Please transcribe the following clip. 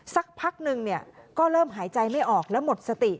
สักพักนึงก็เริ่มหายใจไม่ออกแล้วหมดสติ